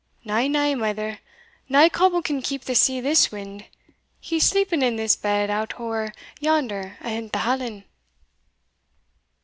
"Na, na, mither nae coble can keep the sea this wind; he's sleeping in his bed out ower yonder ahint the hallan."